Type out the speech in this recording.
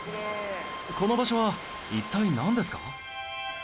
この場所は一体なんですか？